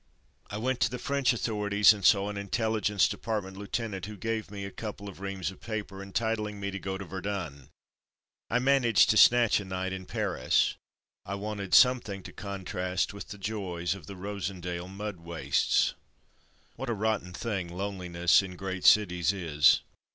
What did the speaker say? I went to the French authorities and saw an Intelligence Department lieutenant who gave me a couple of reams of paper entitling me to go to Verdun. I managed to snatch a night in Paris. I 1 86 From Mud to Mufti wanted something to contrast with the joys of the Rosendael mud wastes. What a rotten thing loneliness in great cities is